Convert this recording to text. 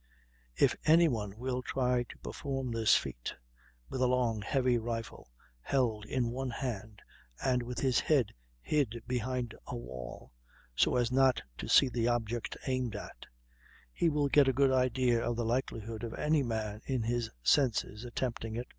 If any one will try to perform this feat, with a long, heavy rifle held in one hand, and with his head hid behind a wall, so as not to see the object aimed at, he will get a good idea of the likelihood of any man in his senses attempting it.